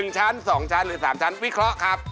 ชั้น๒ชั้นหรือ๓ชั้นวิเคราะห์ครับ